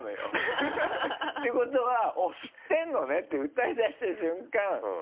ていうことは「知ってるのね」って歌い出した瞬間